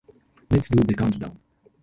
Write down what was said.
Let's do the countdown.